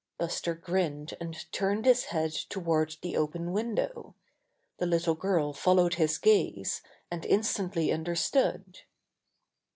Buster grinned and turned his head toward the open window. The little girl followed his gaze, and instantly understood.